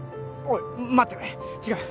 おい待ってくれ！